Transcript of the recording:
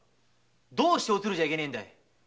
どうしておつるじゃいけねえんだ？